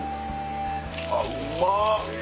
あっうまぁ！